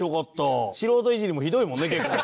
素人イジりもひどいもんね結構。